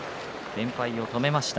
連敗を止めました